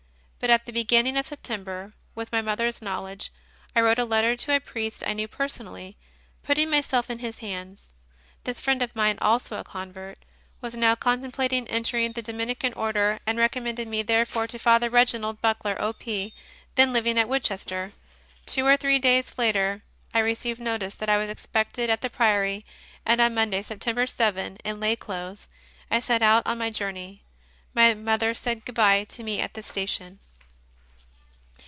... But at the begin ning of September, with my mother s knowledge, I wrote a letter to a priest I knew personally, putting myself in his hands. This friend of mine, also a convert, was now contemplating entering the Do minican Order, and recommended me, therefore, to Father Reginald Buckler, O.P., then living at Woodchester. Two or three days later I received notice that I was expected at the Priory, and on Monday, September 7, in lay clothes, I set out on my journey. My mother said good bye to me at the station.